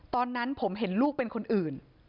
ตอนนั้นผมเห็นลูกเป็นคนอื่น